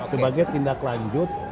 sebagai tindak lanjut